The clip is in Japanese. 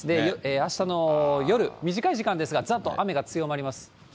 あしたの夜、短い時間ですが、ざっと雨が強まります。